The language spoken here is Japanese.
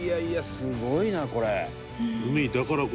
すごいなこれ」